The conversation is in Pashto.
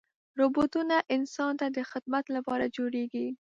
روبوټونه انسان ته د خدمت لپاره جوړېږي.